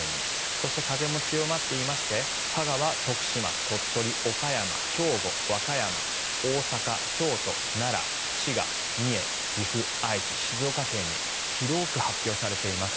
そして風も強まっていまして香川、徳島、鳥取岡山、兵庫、和歌山大阪、京都奈良、滋賀、三重、岐阜愛知、静岡県に広く発表されています。